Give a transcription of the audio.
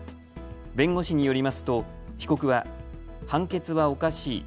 弁護士によりますと被告は判決はおかしい。